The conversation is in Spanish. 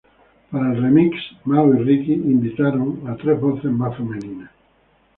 Para el remix, Mau y Ricky invitaron a tres voces más femeninas.